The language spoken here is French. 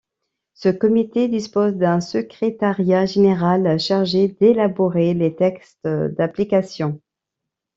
Ce comité dispose d'un secrétariat général chargé d'élaborer les textes d'application.